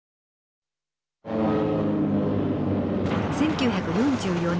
１９４４年。